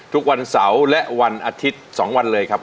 ทุกวันเสาร์และวันอาทิตย์๒วันเลยครับ